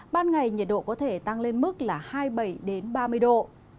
ban ngày nhiệt độ có thể tăng lên mức là hai mươi bảy ba mươi độ